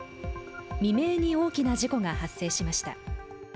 未明に大きな事故が発生しました。